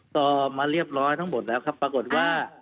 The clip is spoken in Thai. ต่อมาเรียบร้อยทั้งหมดแล้วครับปรากฏว่า